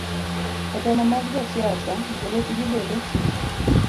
E romo mag josiasa, jolupgi bedo